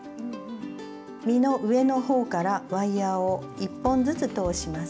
実の上のほうからワイヤーを１本ずつ通します。